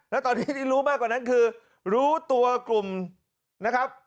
แล้วตอนนี้ที่รู้มากกว่านั้นคือรู้ตัวกลุ่มนะครับ